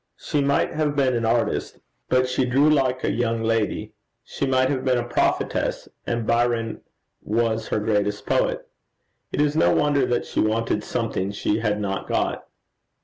She might have been an artist, but she drew like a young lady; she might have been a prophetess, and Byron was her greatest poet. It is no wonder that she wanted something she had not got.